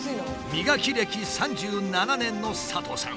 磨き歴３７年の佐藤さん。